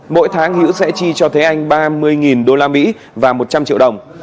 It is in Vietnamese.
mỗi tháng hữu sẽ chi cho thế anh ba mươi usd và một trăm linh triệu đồng